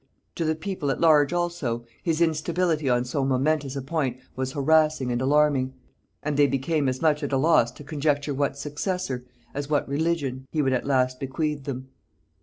To the people at large also, his instability on so momentous a point was harassing and alarming, and they became as much at a loss to conjecture what successor, as what religion, he would at last bequeath them.